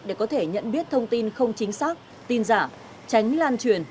để có thể nhận biết thông tin không chính xác tin giả tránh lan truyền